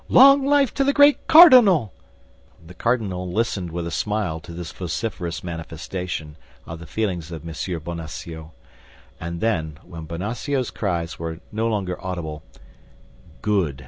Long life to the great cardinal!" The cardinal listened with a smile to this vociferous manifestation of the feelings of M. Bonacieux; and then, when Bonacieux's cries were no longer audible, "Good!"